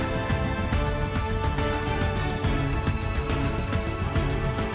kau itu kuning galaku